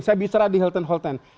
saya bicara di hilton holtan